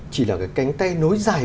chỉ là cái cánh tay nối dài